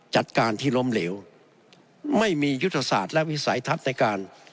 จัดการที่ล้มเหลวไม่มียุทธศาสตร์และวิสัยทัศน์ในการ